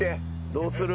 どうする？